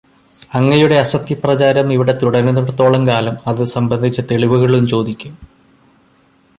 അങ്ങയുടെ അസത്യപ്രചാരം ഇവിടെ തുടരുന്നിടത്തോളം കാലം അതു സംബന്ധിച്ച തെളിവുകളും ചോദിക്കും.